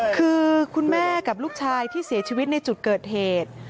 คือคุณแม่กับลูกชายที่เสียชีวิตในจุดเกิดเหตุ